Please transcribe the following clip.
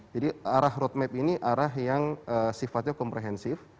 jadi arah roadmap ini arah yang sifatnya komprehensif